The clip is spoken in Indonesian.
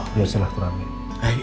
biar selalu ramai